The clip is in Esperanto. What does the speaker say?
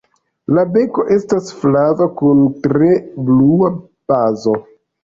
La beko estas flava kun tre blua bazo.